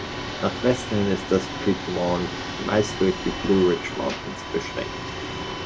Nach Westen hin ist das Piedmont meist durch die Blue Ridge Mountains beschränkt.